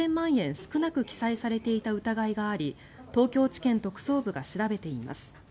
少なく記載されていた疑いがあり東京地検特捜部が調べています。